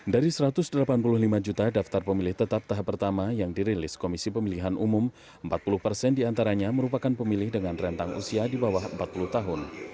dari satu ratus delapan puluh lima juta daftar pemilih tetap tahap pertama yang dirilis komisi pemilihan umum empat puluh persen diantaranya merupakan pemilih dengan rentang usia di bawah empat puluh tahun